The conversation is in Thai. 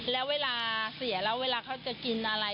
แล้วเวลาเสียแล้วเวลาเขาจะกินอะไร